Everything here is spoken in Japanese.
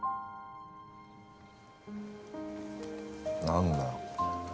何だ？